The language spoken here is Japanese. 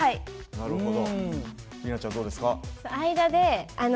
なるほど。